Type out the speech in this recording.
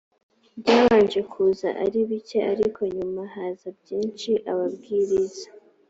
byabanje kuza ari bike ariko nyuma haza byinshi ababwiriza